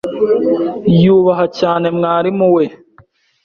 Yubaha cyane mwarimu we.